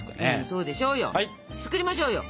そうでしょうよ。作りましょうよ。